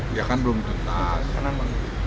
dia kan belum dituntas